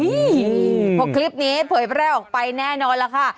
เพราะคลิปนี้เผยแพร่ออกไปแน่นอนแล้วค่ะ